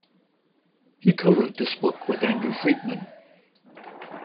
He co-wrote this book with Andrew Friedman.